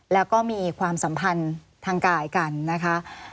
แล้วก็มีความสัมพันธ์ทางกายกันนะคะ